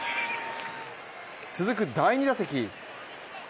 続く第２打席。